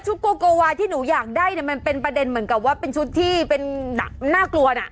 โกโกวาที่หนูอยากได้เนี่ยมันเป็นประเด็นเหมือนกับว่าเป็นชุดที่เป็นน่ากลัวน่ะ